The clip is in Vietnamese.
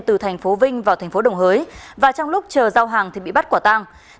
từ tp vinh vào tp đồng hới và trong lúc chờ giao hàng bị bắt quả tang